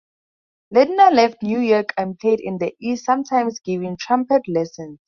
Ladnier left New York and played in the east, sometimes giving trumpet lessons.